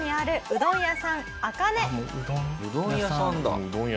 うどん屋さんだ。